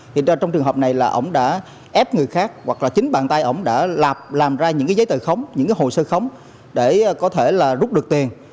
thì trong trường hợp này là ông đã ép người khác hoặc là chính bàn tay ông đã làm ra những giấy tờ khống những hồ sơ khống để có thể rút được tiền